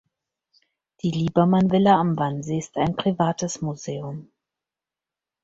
Die Liebermann-Villa am Wannsee ist ein privates Museum.